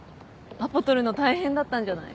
アポ取るの大変だったんじゃない？